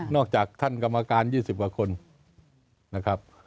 นอกจากท่านกรรมการยี่สิบกว่าคนนะครับ